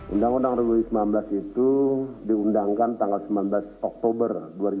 undang undang dua ribu sembilan belas itu diundangkan tanggal sembilan belas oktober dua ribu sembilan belas